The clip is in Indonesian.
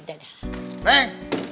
wah enggak gitu sih nek